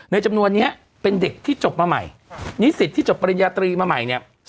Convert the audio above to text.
จำนวนนี้เป็นเด็กที่จบมาใหม่นิสิตที่จบปริญญาตรีมาใหม่เนี่ย